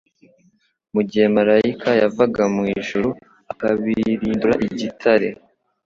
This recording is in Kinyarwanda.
Mu gihe marayika yavaga mu ijuru akabirindura igitare